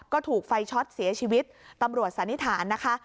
ก็ถูกไฟช็อตเสียชีวิตตำรวจสันนิษฐานนะคะ